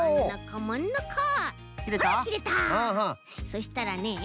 そしたらねえ